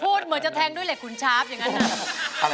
เหมือนจะแทงด้วยเหล็กขุนชาร์ฟอย่างนั้น